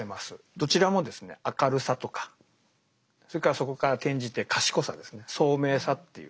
どちらもですね「明るさ」とかそれからそこから転じて「賢さ」ですね「聡明さ」っていう。